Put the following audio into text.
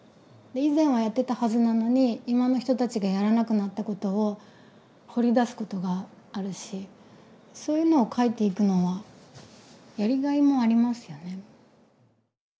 以前はやってたはずなのに今の人たちがやらなくなったことを掘り出すことがあるしそういうのを描いていくのはやりがいもありますよね。